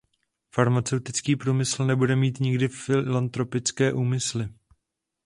Farmaceutický průmysl nebude mít nikdy filantropické úmysly.